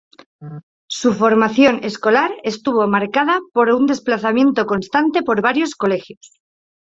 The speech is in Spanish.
Su formación escolar estuvo marcada por un desplazamiento constante por varios colegios.